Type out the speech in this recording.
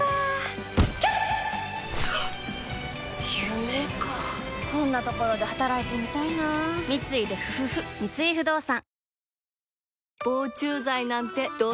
夢かこんなところで働いてみたいな三井不動産